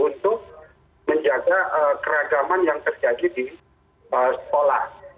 untuk menjaga keragaman yang terjadi di sekolah